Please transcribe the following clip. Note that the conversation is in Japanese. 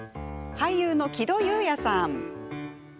俳優の木戸邑弥さん。